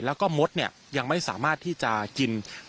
และก็คือว่าถึงแม้วันนี้จะพบรอยเท้าเสียแป้งจริงไหม